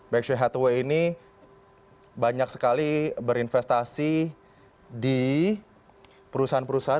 backshear hathaway ini banyak sekali berinvestasi di perusahaan perusahaan